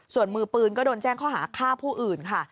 ส่วนมือปืนก็โดนแจ้งข้อหาฆ่าผู้อื่นค่ะ